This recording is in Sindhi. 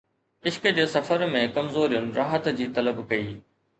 عشق جي سفر ۾، ڪمزورين راحت جي طلب ڪئي